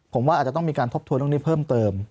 ผมว่าอาจจะต้องมีการทบทวนตรงนี้เพิ่มเติม